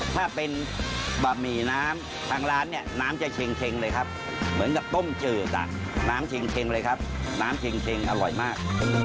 ถ้าเป็นบะหมี่น้ำทางร้านเนี่ยน้ำจะเช็งเลยครับเหมือนกับต้มจืดอ่ะน้ำเช็งเลยครับน้ำเช็งอร่อยมาก